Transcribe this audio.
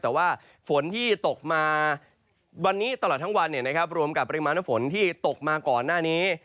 แต่ว่าฝนที่ตกมาวันนี้ตลอดทั้งวันรวมกับปริมาณฝนที่ตกมาก่อนหน้านี้